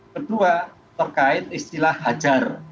kedua terkait istilah hajar